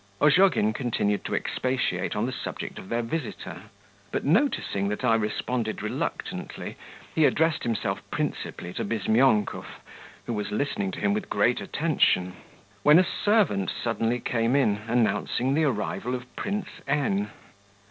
Ozhogin continued to expatiate on the subject of their visitor; but noticing that I responded reluctantly, he addressed himself principally to Bizmyonkov, who was listening to him with great attention, when a servant suddenly came in, announcing the arrival of Prince N.